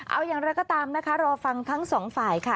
เอาอย่างไรก็ตามนะคะรอฟังทั้งสองฝ่ายค่ะ